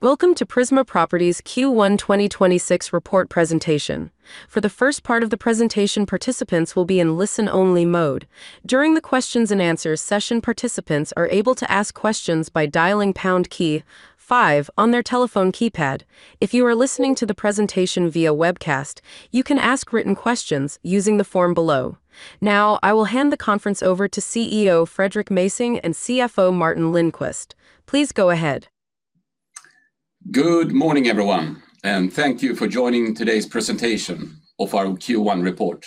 Welcome to Prisma Properties' Q1 2026 report presentation. For the first part of the presentation, participants will be in listen-only mode. During the questions and answers session, participants are able to ask questions by dialing pound key five on their telephone keypad. If you are listening to the presentation via webcast, you can ask written questions using the form below. Now, I will hand the conference over to CEO Fredrik Mässing and CFO Martin Lindqvist. Please go ahead. Good morning, everyone, and thank you for joining today's presentation of our Q1 report.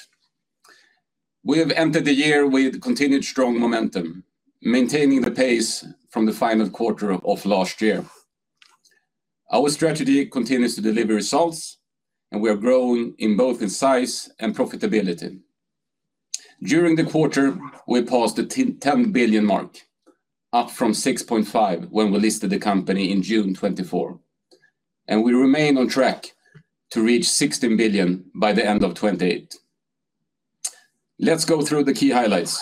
We have entered the year with continued strong momentum, maintaining the pace from the final quarter of last year. Our strategy continues to deliver results, and we are growing in both size and profitability. During the quarter, we passed the 10 billion mark, up from 6.5 billion when we listed the company in June 2024, and we remain on track to reach 16 billion by the end of 2028. Let's go through the key highlights.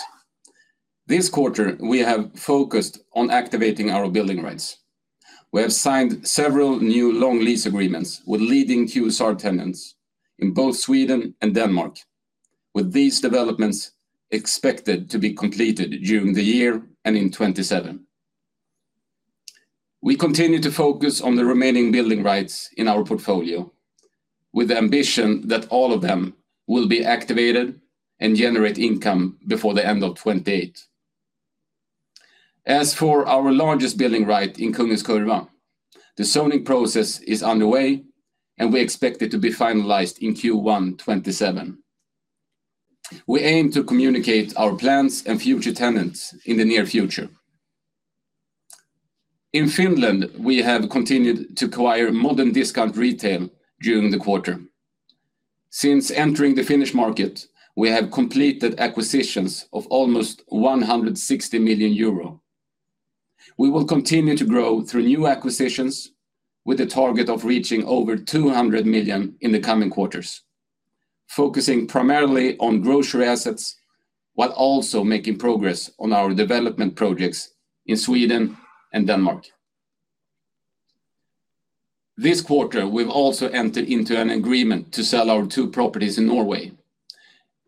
This quarter, we have focused on activating our building rights. We have signed several new long lease agreements with leading QSR tenants in both Sweden and Denmark, with these developments expected to be completed during the year and in 2027. We continue to focus on the remaining building rights in our portfolio with the ambition that all of them will be activated and generate income before the end of 2028. As for our largest building right in Kungens Kurva, the zoning process is underway, and we expect it to be finalized in Q1 2027. We aim to communicate our plans and future tenants in the near future. In Finland, we have continued to acquire modern Discount Retail during the quarter. Since entering the Finnish market, we have completed acquisitions of almost 160 million euro. We will continue to grow through new acquisitions with a target of reaching over 200 million in the coming quarters, focusing primarily on grocery assets, while also making progress on our development projects in Sweden and Denmark. This quarter, we've also entered into an agreement to sell our two properties in Norway,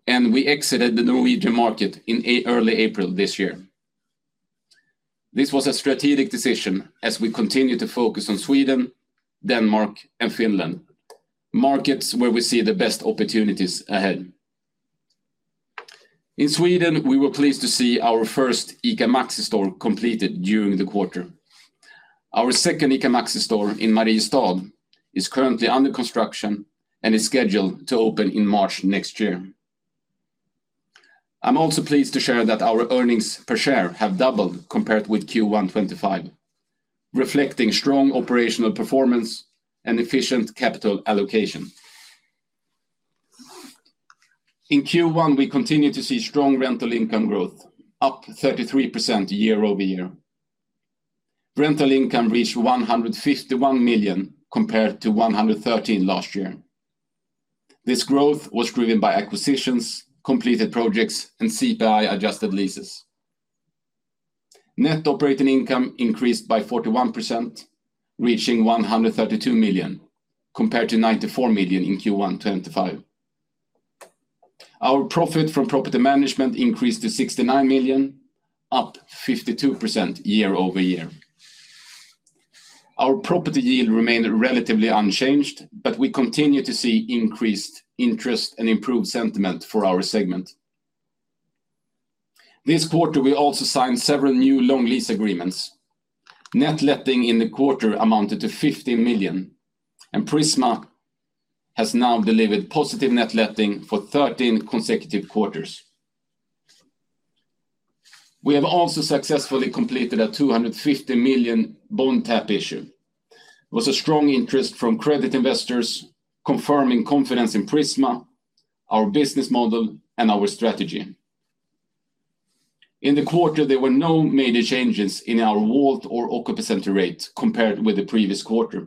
and we exited the Norwegian market in early April this year. This was a strategic decision as we continue to focus on Sweden, Denmark, and Finland, markets where we see the best opportunities ahead. In Sweden, we were pleased to see our first ICA Maxi store completed during the quarter. Our second ICA Maxi store in Mariestad is currently under construction and is scheduled to open in March next year. I'm also pleased to share that our earnings per share have doubled compared with Q1 2025, reflecting strong operational performance and efficient capital allocation. In Q1, we continued to see strong rental income growth, up 33% year-over-year. Rental income reached 151 million, compared to 113 million last year. This growth was driven by acquisitions, completed projects, and CPI-adjusted leases. Net operating income increased by 41%, reaching 132 million, compared to 94 million in Q1 2025. Our profit from property management increased to 69 million, up 52% year-over-year. Our property yield remained relatively unchanged, but we continue to see increased interest and improved sentiment for our segment. This quarter, we also signed several new long lease agreements. Net letting in the quarter amounted to 15 million, and Prisma has now delivered positive net letting for 13 consecutive quarters. We have also successfully completed a 250 million bond tap issue. There was a strong interest from credit investors confirming confidence in Prisma, our business model, and our strategy. In the quarter, there were no major changes in our WALT or occupancy rate compared with the previous quarter.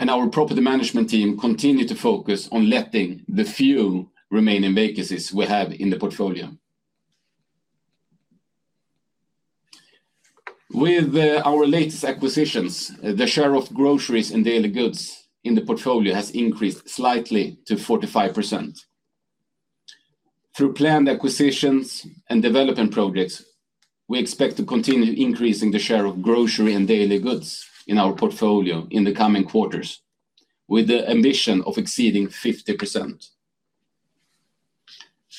Our property management team continued to focus on letting the few remaining vacancies we have in the portfolio. With our latest acquisitions, the share of groceries and daily goods in the portfolio has increased slightly to 45%. Through planned acquisitions and development projects, we expect to continue increasing the share of grocery and daily goods in our portfolio in the coming quarters, with the ambition of exceeding 50%.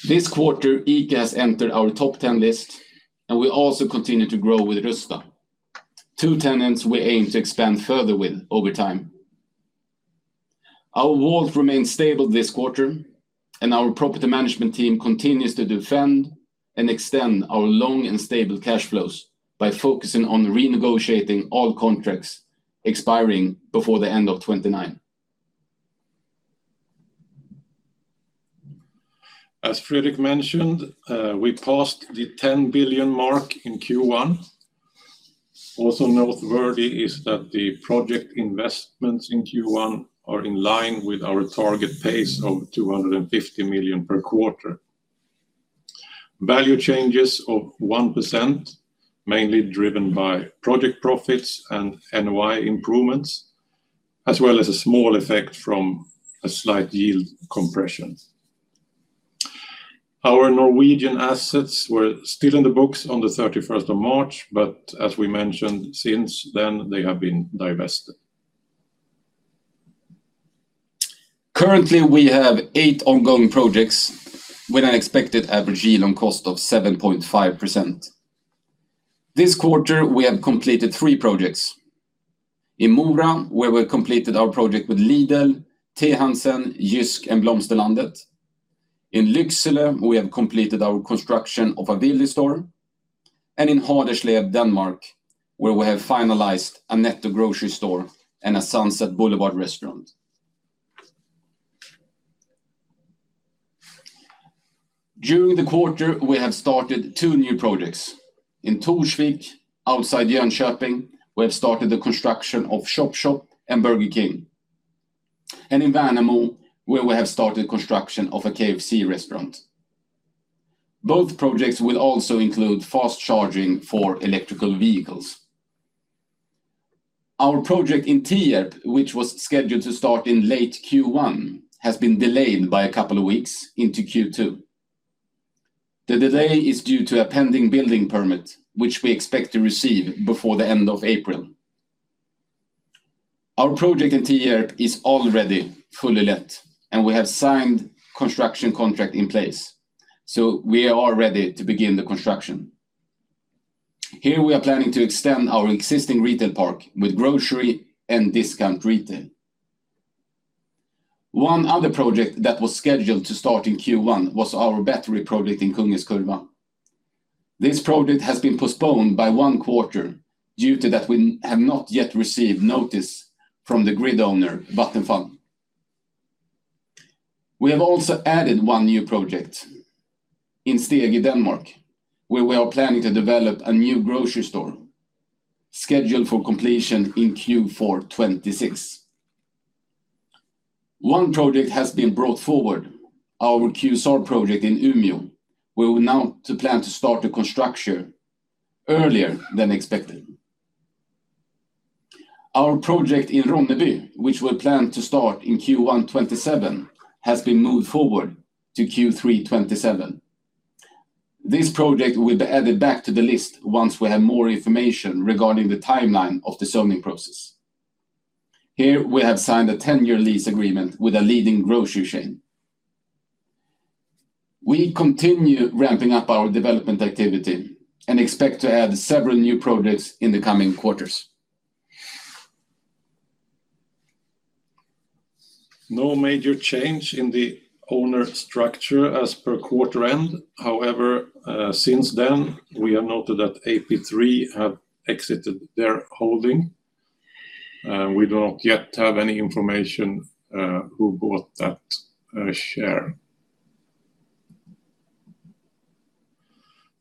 This quarter, ICA has entered our top 10 list, and we also continue to grow with Rusta, two tenants we aim to expand further with over time. Our WALT remains stable this quarter, and our property management team continues to defend and extend our long and stable cash flows by focusing on renegotiating all contracts expiring before the end of 2029. As Fredrik mentioned, we passed the 10 billion mark in Q1. Also noteworthy is that the project investments in Q1 are in line with our target pace of 250 million per quarter. Valuation changes of 1%, mainly driven by project profits and NOI improvements, as well as a small effect from a slight yield compression. Our Norwegian assets were still in the books on the 31st of March, but as we mentioned, since then they have been divested. Currently, we have eight ongoing projects with an expected average yield on cost of 7.5%. This quarter, we have completed three projects. In Mora, where we completed our project with Lidl, T. Hansen, JYSK, and Blomsterlandet. In Lyksele, we have completed our construction of a Willys store. In Haderslev, Denmark, where we have finalized a Netto grocery store and a Sunset Boulevard restaurant. During the quarter, we have started two new projects. In Torsvik, outside Jönköping, we have started the construction of ShopShop and Burger King. In Värnamo, where we have started construction of a KFC restaurant. Both projects will also include fast charging for electric vehicles. Our project in Tierp, which was scheduled to start in late Q1, has been delayed by a couple of weeks into Q2. The delay is due to a pending building permit, which we expect to receive before the end of April. Our project in Tierp is already fully let, and we have signed construction contract in place, so we are all ready to begin the construction. Here we are planning to extend our existing retail park with Grocery and Discount Retail. One other project that was scheduled to start in Q1 was our battery project in Kungens Kurva. This project has been postponed by one quarter due to that we have not yet received notice from the grid owner, Vattenfall. We have also added one new project in Stege, Denmark, where we are planning to develop a new grocery store scheduled for completion in Q4 2026. One project has been brought forward, our QSR project in Umeå, where we now plan to start the construction earlier than expected. Our project in Ronneby, which we planned to start in Q1 2027, has been moved forward to Q3 2027. This project will be added back to the list once we have more information regarding the timeline of the zoning process. Here, we have signed a 10-year lease agreement with a leading grocery chain. We continue ramping up our development activity and expect to add several new projects in the coming quarters. No major change in the owner structure as per quarter end. However, since then, we have noted that NP3 have exited their holding. We do not yet have any information on who bought that share.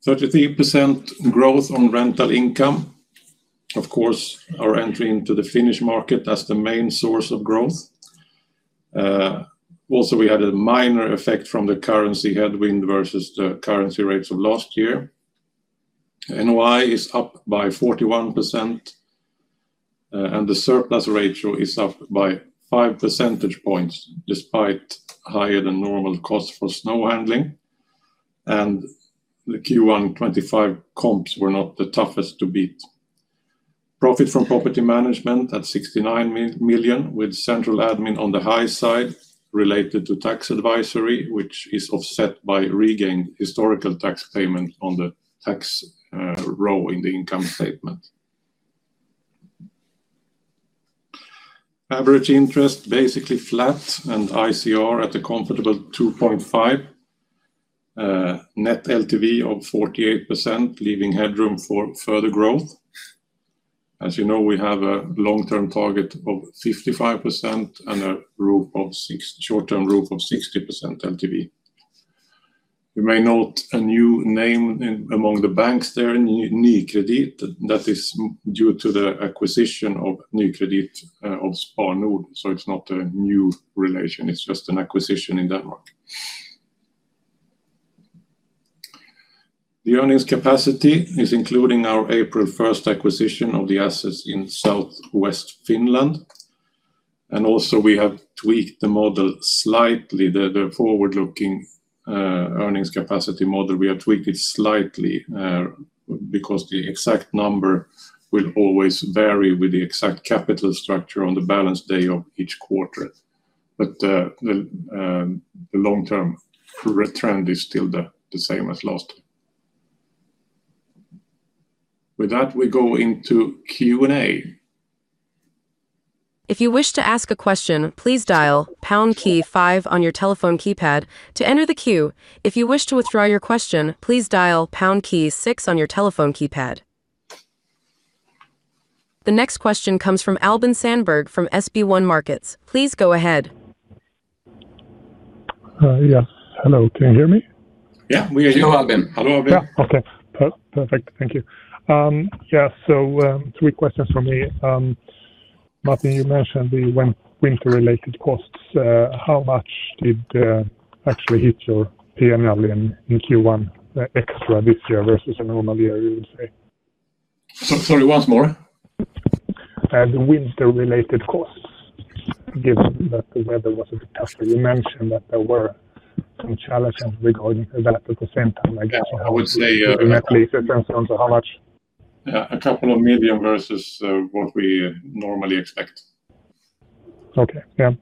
33% growth on rental income. Of course, our entry into the Finnish market, that's the main source of growth. Also, we had a minor effect from the currency headwind versus the currency rates of last year. NOI is up by 41%, and the surplus ratio is up by 5 percentage points, despite higher than normal cost for snow handling. The Q1 2025 comps were not the toughest to beat. Profit from property management at 69 million, with central admin on the high side related to tax advisory, which is offset by regained historical tax payment on the tax row in the income statement. Average interest, basically flat, and ICR at a comfortable 2.5. Net LTV of 48%, leaving headroom for further growth. As you know, we have a long-term target of 55% and a short-term roof of 60% LTV. You may note a new name in among the banks there, Nykredit. That is due to the acquisition by Nykredit of Spar Nord. It's not a new relation, it's just an acquisition in Denmark. The earnings capacity is including our April 1st acquisition of the assets in Southwest Finland. Also we have tweaked the model slightly. The forward-looking earnings capacity model, we have tweaked it slightly, because the exact number will always vary with the exact capital structure on the balance day of each quarter. The long-term trend is still the same as last. With that, we go into Q&A. If you wish to ask a question please dial, pound key five on your telephone keypad to enter the queue. If you wish to withdraw your question, please dial pound key six on your telephone keypad. The next question comes from Albin Sandberg from SB1 Markets. Please go ahead. Yes. Hello? Can you hear me? Yeah, we hear you, Albin. Hello, Albin. Yeah. Okay. Perfect. Thank you. Yeah. Three questions from me. Martin, you mentioned the winter-related costs. How much did they actually hit your PNL in Q1 extra this year versus a normal year, you would say? Sorry, once more. The winter-related costs, given that the weather was a bit tougher. You mentioned that there were some challenges regarding the development center, I guess- Yeah. I would say. -in that lease in terms of how much. A couple of medium versus what we normally expect. Okay. Yeah.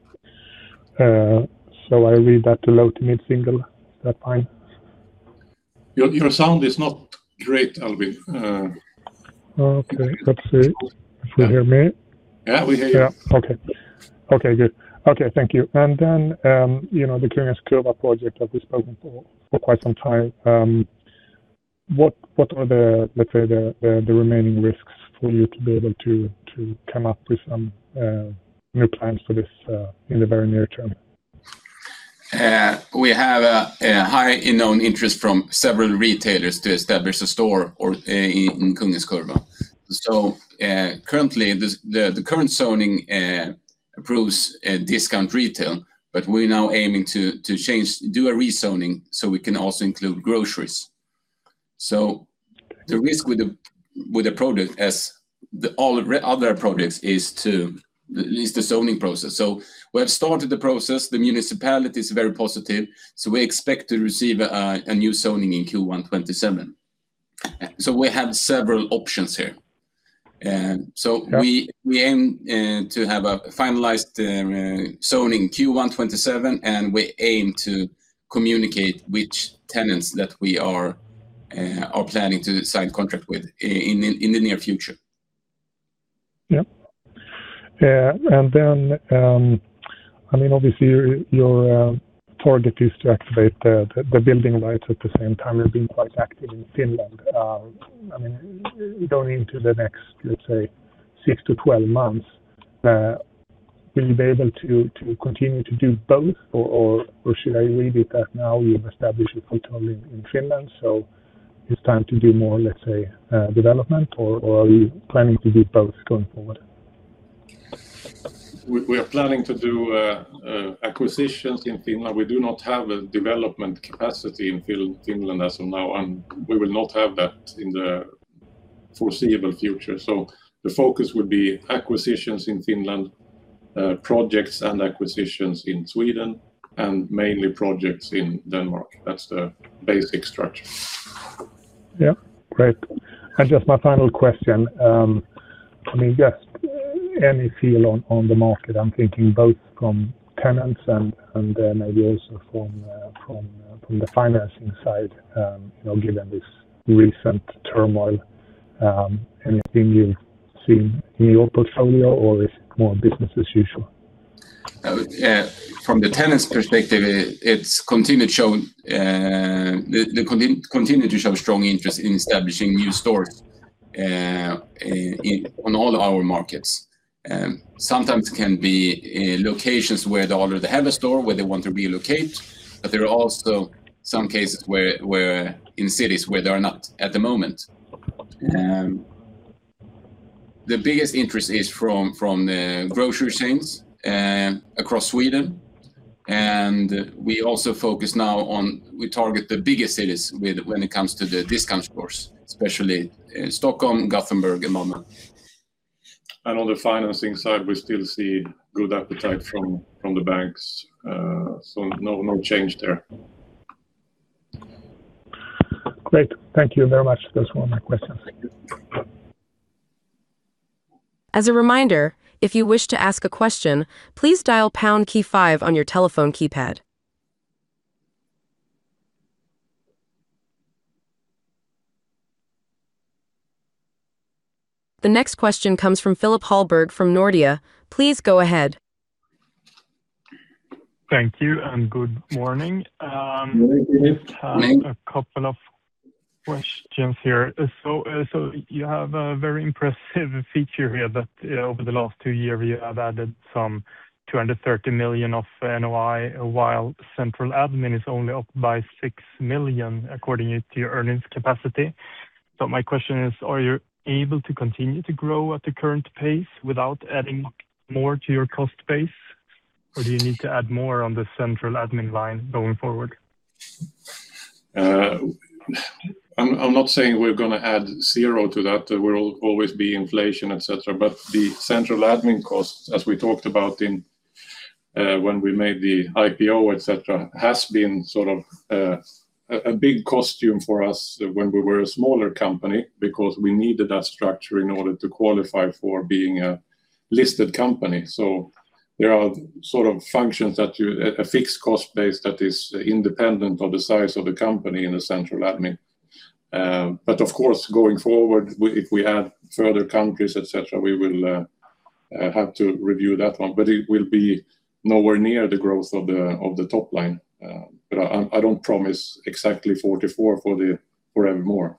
I read that low to mid-single. Is that fine? Your sound is not great, Albin. Okay. Let's see. Can you hear me. Yeah, we hear you. Okay, good. Okay, thank you. The Kungens Kurva project that we've spoken for quite some time. What are the remaining risks for you to be able to come up with some new plans for this in the very near term? We have a high known interest from several retailers to establish a store in Kungens Kurva. Currently, the current zoning approves Discount Retail, but we're now aiming to do a rezoning so we can also include groceries. The risk with the project as all other projects is the zoning process. We have started the process. The municipality is very positive, so we expect to receive a new zoning in Q1 2027. We have several options here. Yeah. We aim to have a finalized zoning Q1 2027, and we aim to communicate which tenants that we are planning to sign contract with in the near future. Yep. Obviously, your target is to activate the building rights. At the same time, you're being quite active in Finland. Going into the next, let's say, six to 12 months, will you be able to continue to do both, or should I read it that now you've established a foothold in Finland, so it's time to do more, let's say, development, or are you planning to do both going forward? We are planning to do acquisitions in Finland. We do not have a development capacity in Finland as of now, and we will not have that in the foreseeable future. The focus would be acquisitions in Finland, projects and acquisitions in Sweden, and mainly projects in Denmark. That's the basic structure. Yep, great. Just my final question, just any feel on the market, I'm thinking both from tenants and then maybe also from the financing side, given this recent turmoil. Anything you've seen in your portfolio, or is it more business as usual? From the tenant's perspective, they continue to show strong interest in establishing new stores on all our markets. Sometimes it can be locations where they already have a store where they want to relocate, but there are also some cases where in cities where they are not at the moment. The biggest interest is from the grocery chains across Sweden, and we also target the biggest cities when it comes to the discount stores, especially Stockholm, Gothenburg at the moment. On the financing side, we still see good appetite from the banks. No change there. Great. Thank you very much. Those were all my questions. Thank you. As a reminder, if you wish to ask a question, please dial pound key five on your telephone keypad. The next question comes from Philip Hallberg from Nordea. Please go ahead. Thank you and good morning. Good morning. Just have a couple of questions here. You have a very impressive feat here that over the last two years, you have added some 230 million of NOI, while central admin is only up by 6 million, according to your earnings capacity. My question is, are you able to continue to grow at the current pace without adding more to your cost base, or do you need to add more on the central admin line going forward? I'm not saying we're going to add zero to that. There will always be inflation, et cetera. The central admin costs, as we talked about when we made the IPO, et cetera, has been sort of a big cost item for us when we were a smaller company because we needed that structure in order to qualify for being a listed company. There are sort of functions. A fixed cost base that is independent of the size of the company in the central admin. Of course, going forward, if we add further countries, et cetera, we will have to review that one, but it will be nowhere near the growth of the top line. I don't promise exactly 44 forevermore.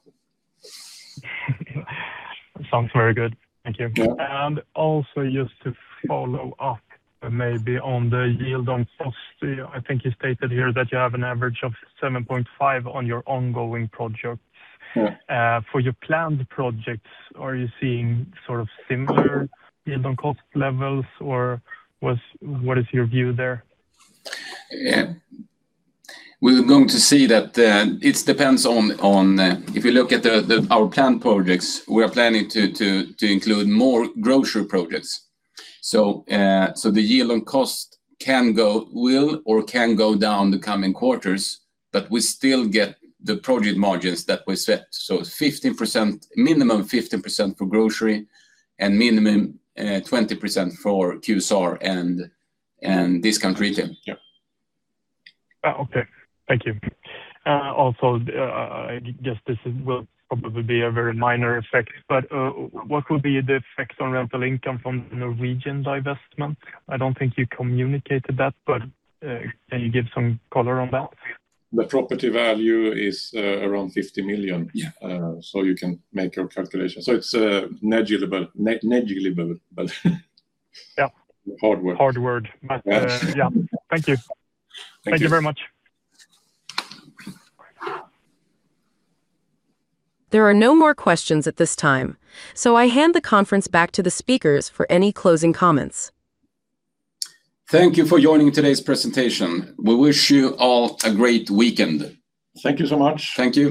Sounds very good. Thank you. Yeah. Also, just to follow up maybe on the yield on cost. I think you stated here that you have an average of 7.5 on your ongoing projects. Yeah. For your planned projects, are you seeing sort of similar yield on cost levels, or what is your view there? We're going to see that it depends on if you look at our planned projects, we are planning to include more grocery projects. The yield on cost will or can go down the coming quarters, but we still get the project margins that we set. Minimum 15% for grocery and minimum 20% for QSR and Discount Retail. Yeah. Okay. Thank you. Also, I guess this will probably be a very minor effect, but what will be the effect on rental income from the region divestment? I don't think you communicated that, but can you give some color on that? The property value is around 50 million. Yeah. You can make your calculation. It's negligible. Yeah. Hard word. Hard word. Yes. Yeah. Thank you. Thank you. Thank you very much. There are no more questions at this time, so I hand the conference back to the speakers for any closing comments. Thank you for joining today's presentation. We wish you all a great weekend. Thank you so much. Thank you.